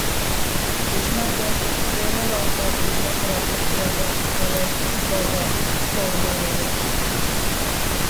Pêşmerge rê neda artêşa Iraqê derbasî qada gaza Xor Morê bibe.